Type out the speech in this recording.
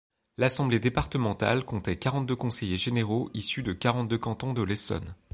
L’assemblée départementale comptait quarante-deux conseillers généraux issus des quarante-deux cantons de l’Essonne.